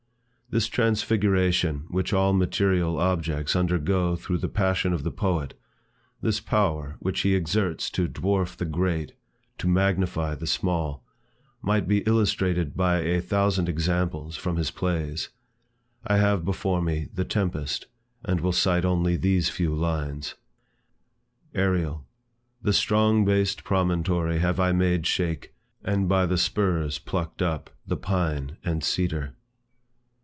This transfiguration which all material objects undergo through the passion of the poet, this power which he exerts to dwarf the great, to magnify the small, might be illustrated by a thousand examples from his Plays. I have before me the Tempest, and will cite only these few lines. ARIEL. The strong based promontory Have I made shake, and by the spurs plucked up The pine and cedar.